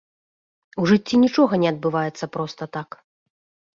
У жыцці нічога не адбываецца проста так.